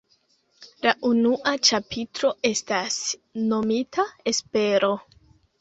La unua ĉapitro estas nomita "Espero".